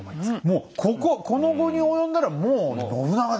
もうこここの期に及んだらもう信長でしょう。